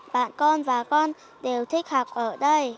bạn con và con đều thích học ở đây